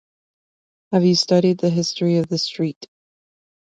Have you studied the history of the street?